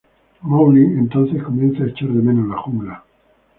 Mowgli entonces comienza a echar de menos la jungla.